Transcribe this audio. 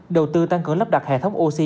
đầu tư tăng cửa lắp đặt hệ thống oxy